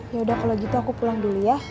yaudah kalau gitu aku pulang dulu ya